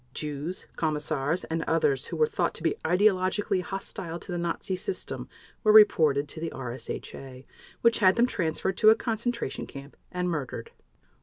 Jews, commissars, and others who were thought to be ideologically hostile to the Nazi system were reported to the RSHA, which had them transferred to a concentration camp and murdered.